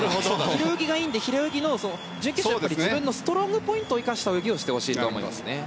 平泳ぎがいいので平泳ぎの、準決勝では自分のストロングポイントを生かした泳ぎをしてほしいなと思いますね。